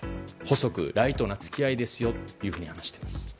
細くライトな付き合いですよというふうに話しています。